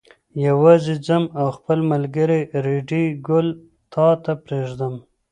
یوازې ځم او خپل ملګری ریډي ګل تا ته پرېږدم.